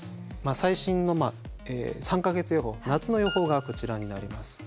最新の３か月予報夏の予報がこちらになります。